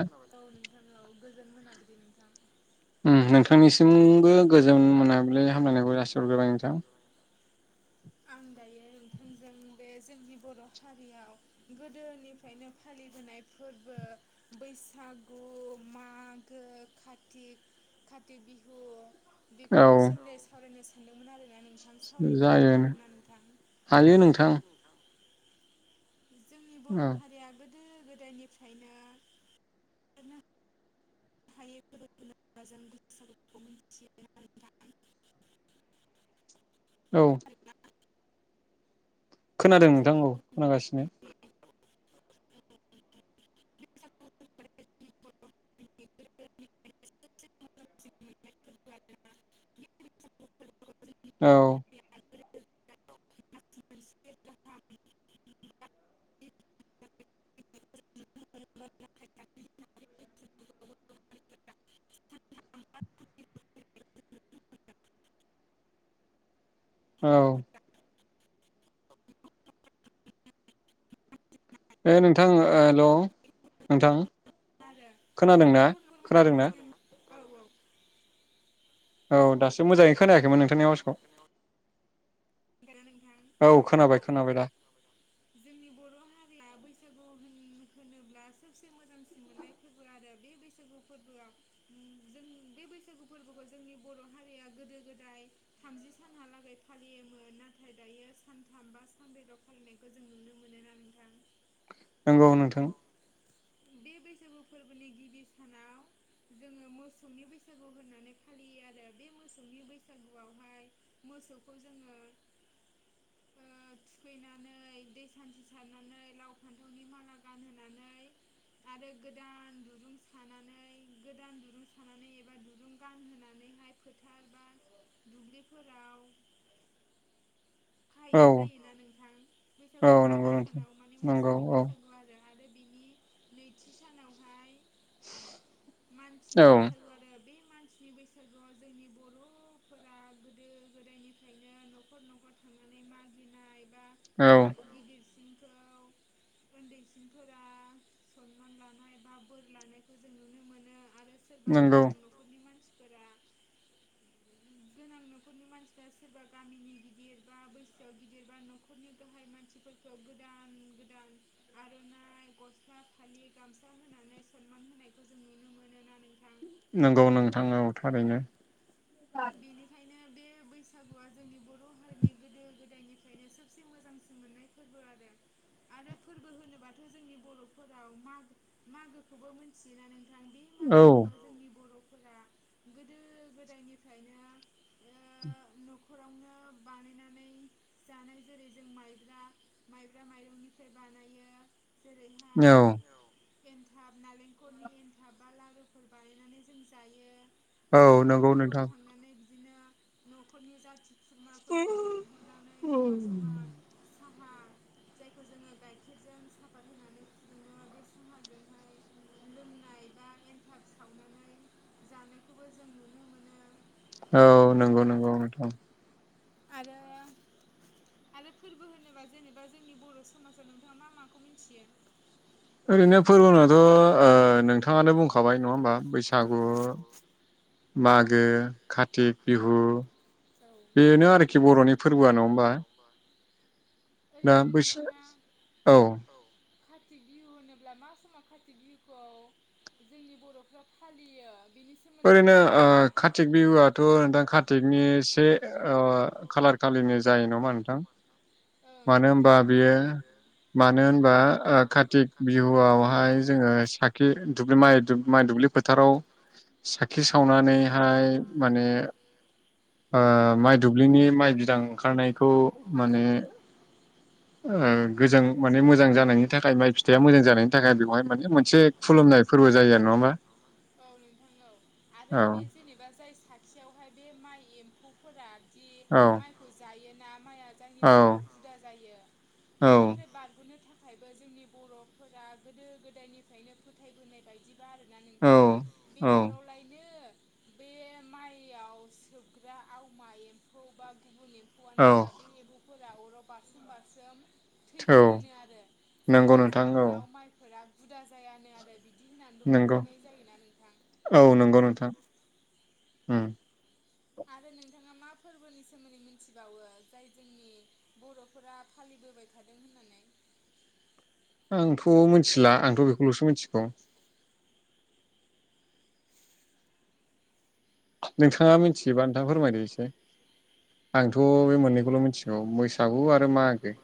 खोनाबायना औ नोंथां औ गोजोन मोनाबिलि नोंथां। ओ नोंथांनिसिमबो गोजोन मोनाबिलिनि हामलायनायखौ जासिहरग्रोबाय नोंथां। आं दायो नोंथांजों बे जोंनि बर' हारियाव। गोदोनिफ्रायनो फालिबोनाय फोरबो। बैसागु मागो कारतिक। कारतिक बिहु बेफोरनि सोमोन्दै सावरायनो सानदोंमोन आरोना नोंथां सावरायनो। हागोनना नोंथां हागोन नोंथां जोंनि बर' हारिया गोदो गोदायनिफ्रायनो। [unintelligible] [unintelligible] खोनादों नोंथां औ खोनागासिनो। [unintelligible] [unintelligible] औ औ ओ नोंथां हेल' नोंथां आरो नोंनि कन्ट्रबासिनि सायाव औ औ औ दासो मोजाङै खोनायाखैमोन नोंथांनि आवसखौ खोनादों ना नोंथां औ खोनाबाय जोंनि बर' हारिआ बैसागु होन होनोब्ला सबसे मोजांसिन मोन्नाय फोरबो आरो बे बैसागु फोरबोआव ओम जोंनि बे बैसागु फोरबोखौ जोंनि बर' हारिया गोदो गोदाय थामजि सानहालागै फालियोमोन नाथाय दायो सानथाम बा सानब्रैल' फालिनायखौ जों नुनो मोनो ना नोंथां नंगौ नोंथां बे बैसागु फोरबोनि गिबि सानाव जोङो मोसौनि बैसागु होननानै फालियो आरो बे मोसौनि बैसागुआवहाय मोसौखौ जोङो ओ थुखैनानै दै सान्थि सारनानै लाव फान्थावनि माला गानहोनानै आरो गोदान दुरुं सानानै गोदान दुरुं सानानै एबा दुरुं गानहोनानैहाय फोथार बा दुब्लिफोराव फाहैनाय जायोना नोंथां बैसागुनि गिबि सानाव माने मोसौनि बैसागु आरो। आरो बिनि नैथि सानावहाय। मानसिनि बैसागु आरो बे मानसिनि बैसागु। फोरबोआव जोंनि बर'फोरा गोदो गोदायनिफ्रायनो न'खर न'खर। थांनानै मागिनाय बा गिदिरसिनखौ। उन्दैसिनफोरा। सनमान लानाय बा बोर लानायखौ जों नुनो मोनो आरो सोरबा गोनां न'। न'नि मानसिफोरा। गोनां न'खरनि मानसिफ्रा सोरबा गामिनि गिदिर। बा बैसोआव गिदिरबा न'खरनि गाहाय मानसिफोरखौ गोदान गोदान। आर'नाइ गस्ला फालि गामसा होनानै सनमान होनायखौ जों नुनो मोनोना नोंथां। नंगौ नोंथां औ थारैनो। बेनिखायनो बे बैसागुआ जोंनि बर' हारिनि गोदो गोदायनिफ्रायनो सोबसे मोजांसिन मोननाय। फोरबो आरो आरो फोरबो होनोबाथ जोंनि बर'फोराव मागो। मागोखौबो मोन्थियोना नोंथां बे। मागोआवबो जोंनि बर'फोरा गोदो गोदायनिफ्रायनो। ओ न'खरावनो बानायनानै जानाय जेरै जों माइब्रा। माइब्रा माइरंनिफ्राय बानायो जेरैहाय। एनथाब नालेंखलनि एनथाब बा लारुफोर बानायनानै जों जायो। न'खर न'खर थांनानै बिदिनो न'खरनि जाथि। खुरमाफोरखौ लिंहरनानै जमा जमा साहा। जायखौ जोङो गाइखेरजों साफात होनानै फुदुङो बे साहाजोंहाय। लोंनाय बा एन्थाब सावनानै जानायखौबो जों नुनो मोनो। [inaudible] औ नंगौ नंगौ नोंथां। आरो। आरो फोरबो होनोबा जेनेबा जोंनि बर' समाजाव नोंथाङा मा माखौ मिथियो? ओरैनो फोरबोआथ' ओ नोंथाङानो बुंखाबाय नङा होमबा बैसाग। मागो कातिक बिहु बेनो आरोखि बर'नि फोरबोआ नङा होमबा। ओरैनो नोंथाङा औ। कातिक बिहु होनोब्ला मा समाव कातिक बिहुखौ जोंनि बर'फ्रा फालियो? बिनि [unintelligible] ओ खालार खालिनि जायो नामा नोंथां मानो होमबा बेयो। मानो होनबा ओ कातिक बिहुआवहाय जोङो सा खि दुब्लि माइ माइ दुब्लि फोथाराव सावनानैहाय माने ओ माइ दुब्लिनि माइ बिदां ओखारनायखौ ओ गोजां माने मोजां जानायनि थाखाय माइ फिथाइया मोजां जानायनि थाखाय बेवहाय माने मोनसे मोनसे खुलुमनाय फोरबो जायो आरो नङा होमबा। औ नोंथां औ आरो बे जेनेबा जाय साथियावहाय बे माइ एम्फौफोरा जि माइखौ जायोना माइआ जायनि जाहोनाव हुदा जायो बेनि फ्राय बारग'नो थाखायबो जोंनि बर'फोरा गोदो गोदायनिफ्रायनो फोथायबोनाय बायदि गारोना नोंथां बे अराव लाय बे माइयाव सोबग्रा आवमा एम्फौ बा गुबुन एमफौ एम्फौआनो जा बे एम्फौफोरा अराव बारसोम बारसोम थैफैयोननो आरो जायनि जाहोनाव माइफोरा गुदा जायानो आरो बिदि होननानैबो फोथायनाय जायोना नोंथां। औ नंगौ नोंथां उम। आरो नोंथाङा मा फोरबोनि सोमोन्दै मिन्थिबावो जाय जोंनि बर'फोरा फालिबोबाय थादों होननानै आंथ' मोन्थिला आंथ' बेखौल'सो मिन्थिगौ। नोंथाङा मिन्थियोबा नोंथां फोरमायदो‌ एसे आंथ' बे मोननैखौल' मिन्थिगौ बैसागु आरो मागो।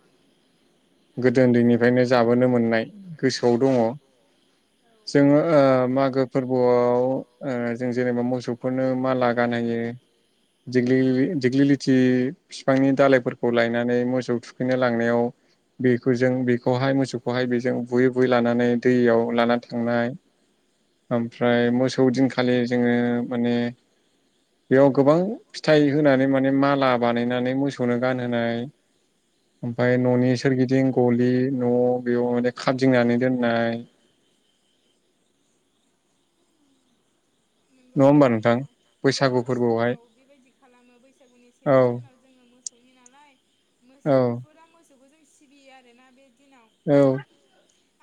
गोदो उन्दैनिफ्रायनो जाबोनो मोननाय गोसोआव दङ। जोङो ओ मागो फोरबोआव ओ जों जेनेबा मोसौफोरनो माला गानहोयो दिग्लिलि दिग्लिलिथि फिफांनि दालायफोरखौ लायनानै मोसौ थुखैनो लांनायाव बेखौ जों बेखौहाय मोसौखौहाय बेजों बुयै बुयै लानानै दैयाव लानानै थांनाय ओमफ्राय मोसौ दिनखालि जोङो माने बेयाव गोबां फिथाइ होनानै माने माला बानायनानै मोसौनो गानहोनाय। ओमफ्राय न'नि सोरगिदिं गलि न' बेयाव माने खादिंनानै दोननाय। [unintelligible] [unintelligible] औ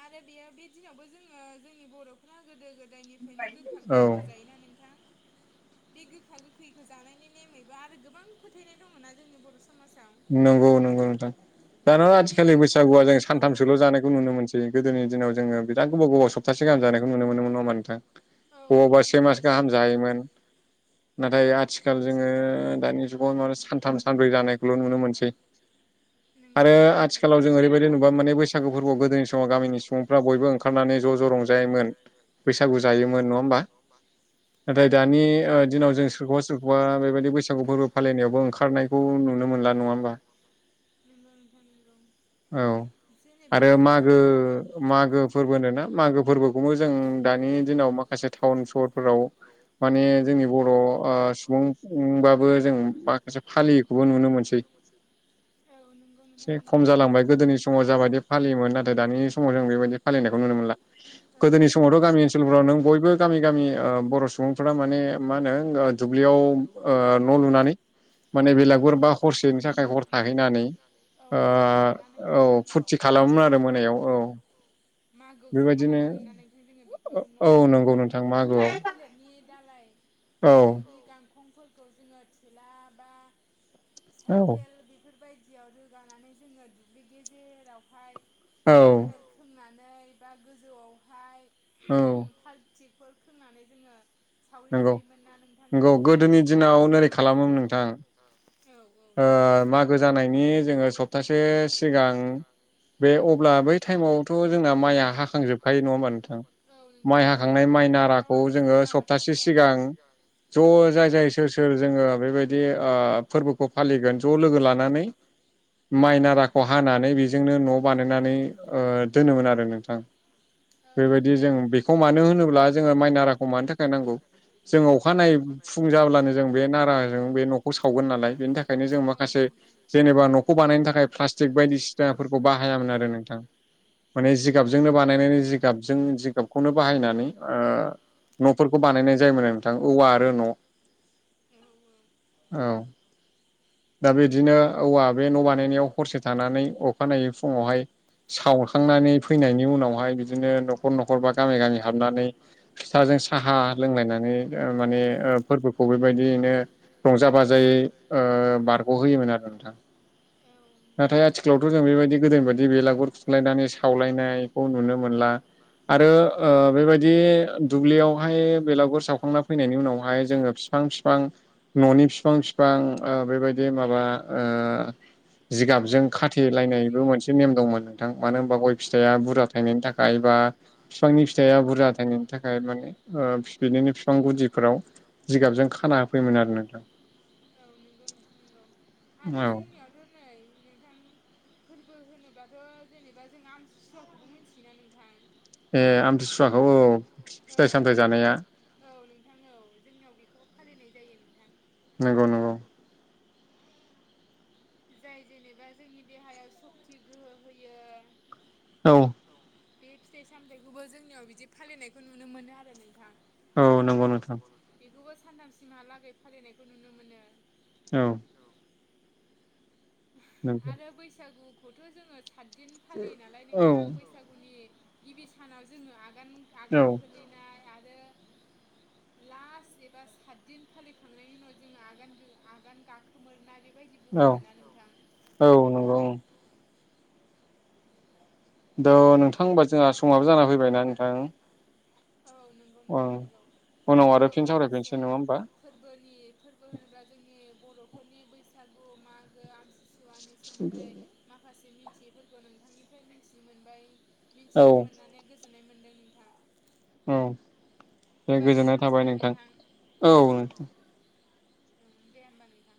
आरो बेयो बे दिनावबो जोङो जोंनि बर'फ्रा गोदो गोदायनिफ्रायनो गोखा जायोना नोंथां? बे गोखा गोखैखौ जानायनि नेमैबो आरो गोबां फोथायनाय दङ ना जोंनि बर' नंगौ नंगौ नोंथां दाना आथिखालनि बैसागुआ जों सानथामसोल' जानायखौ नुनो मोनसै। गोदोनि दिनाव जोङो बिराथ गोबाव गोबाव स सबथासे गाहाम जानायखौ नुनो मोनोमोन नङा होमबा नोंथां? औ नों से मास गाहाम जायोमोन। नाथाय आथिखाल जोङो दानि जुगाव मा सानथाम सानब्रै जानाय ल' नुनो मोनसै। आरो आथिखालाव जों ओरैबायदि नुबाय माने बैसागु फोरबोआव गोदोनि समाव गामिनि सुबुंफ्रा बयबो ओंखा रनानै ज' ज' रंजायोमोन बैसागु जायोमोन नङा होमबा? नाथाय दानि ओ दिनाव जों सोरखौबा सोरखौबा बेबायदि बैसागु फोरबो फालिनायावबो ओंखारनायखौ नुनो मोन ला नङा होमबा? नोंगौ नोंथां नोंखौ। औ आरो मागो मागो फोरबो होनोना मागो फोरबोखौबो जों दानि दिनाव माखासे टाउन सहरफोराव माने जोंनि बर' ओ सुबुं उमबाबो जों माखासे फालियैखौबो नुनो मोनसै। औ नंगौ नोंथां नंगौ। आमफाय गोदोनि समाव जाबायदि फालियोमोन, नाथाय दानि समाव जों बेबायदि फालिनायखौ नुनो मोनला। गोदोनि समावथ' गामि ओनसोलफ्राव नों बयबो गामि गामि ओ बर' सुबुंफोरा माने मा होनो ओ दुब्लियाव ओ न' लुनानै माने बेलागुर बा हरसेनि थाखाय हर थाहैनानै, औ मागोआव [unintelligible] मागोआव [unintelligible] मागोआवसो खालामोमोन नालाय जों बे औ न लुनायफ्राव [unintelligible] थालिरनि दालाइ थालिरनि गांखंफोर फोरखौ जोङो थेला बा सायखेल बे बेफोरबायदियाव रोगानानै जोङो दुब्लि गेजेरावहाय थालिर [unintelligible] सोंनानै बा गोजौआवहाय फालथिफोर खोंनानै जोङो सावरि जायोमोन ना नोंथां गोदोनि दिनाव। औ गोदोनि दिनाव नोरै खालामोमोन नोंथां औ औ दे। ओ। मागो जानायनि जोङो सप्थासे सिगां बे अब्ला बै टाइमावथ' जोंना माइया हाखांजोबखायो नङा होमबा नोंथां? माइ हाखांनाय माइ नाराखौ जोङो [unintelligible] सब सबथासे सिगां ज' जाय जाय सोर सोर जोङो बेबायदि आ फोरबोखौ फालिगोन ज' लोगो लानानै माइ नाराखौ हानानै बेजोंनो न' बानायनानै ओ दोनोमोन आरो नोंथां। औ नों जों बेखौ मानो होनोब्ला जोङो माइनाराखौ मानो थाखाय सायनांगौ जोङो अखानायै फुं जाब्लानो जों बे नाराजों बे न'खौ सावगोन नालाय बेनि थाखा ओंखायनो जों माखासे जेनेबा न'खौ बानायनो थाखाय प्लास्टिक बायदिसिनाफोरखौ बाहायामोन आरो नोंथां। माने जिगाबजोंनो बानायनानै जिगाबजों जिगाबखौनो बाहायनानै ओ न'फोरखौ बानायनाय जायोमोन आरो नोंथां। औवा आरो न' [inaudible] औ। दा बिदिनो औवा बे न' बानायनायाव हरसे थानानै अखानायै फुङावहाय सावखांनानै फैनायनि उनावहाय, बिदिनो न'खर न'खर बा गामि गामि हाबनानै फिथाजों साहा लोंलायनानै ओ माने ओ फोरबोखौ बेबायदियैनो रंजा बाजायै ओ बारग' होयोमोन आरो नोंथां। नाथाय आथिखालावथ' जों बेबायदि गोदोनि बायदि बेलागुर खुंलायनाय माने सावलायनायखौ नुनो मोनला आरो ओ बेबायदि दुब्लियावहाय बेलागुर सावखांना फैनायनि उनावहाय जोंङो फि फां फिफां न'नि फिफां फिफां ओ बेबायदि माबा ओ जिगाबजों खाथेलायनायबो मोनसे नेम दंमोन नोंथां मानो होनबा गय फिथाइआ बुरजा थायनायनि थाखाय एबा फिफांनि फिथाइआ बुरजा थायनायनि थाखाय माने ओ बिनिनो बिफां गुदिफोराव जिगाबजों खाना होफैयोमोन आरो नोंथां। औ नंगौ नोंथां नंगौ आरो जोंनियावथ' नै नोंथां फोरबो होनोबाथ' जेनेबा जों आम सुवाखौबो मिनथियोना नोंथां। औ जाय औ नोंथां औ जोंनियाव बेखौ फालिनाय जायो नोंथां। नंगौ नंगौ। जाय जेनेबा जोंनि देहायाव सक्ति गोहो होयो। औ। बे फिथाइ सामथायखौबो जोंनियाव बिदि फालिनायखौ नुनो मोनो आरो नोंथां। बेखौबो सानथामसिमहालागै फालिनायखौ नुनो मोनो। औ। औ। आरो बैसागुखौथ' जोङो सातदिन फालियो नालाय नोंथां बैसागुनि गिबि सानाव जोङो आगान आगान खोलैनाय आरो लास्ट एबा सातदिन फालिखांनायनि उनाव जोङो आगान आगान गाखोमोरनाय बे बायदिबो होनोना नोंथां? दा नोंथां होमबा जोंहा समाबो जाना फैबायना नोंथां। औ नंगौ नोंथां नंगौ आंबो माखासे फोरबोनि फोर्बो होनोब्ला जोंनि बर'फोरनि बैसागु मागो आमसि सुवानि सोमोन्दै माखासे मिथियैफोरखौ नोंथांनिफ्राय मिथिनो मोनबाय। मिथिनो मोननानै गोजोननाय मोन्दों नोंथां। औ दे गोजोननाय थाबाय नोंथां औ नोंथां। उम दे होमबा नोंथां।